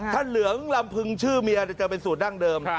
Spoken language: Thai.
ถ้าเหลืองลำพึงชื่อเมียจะเป็นสูตรดั้งเดิม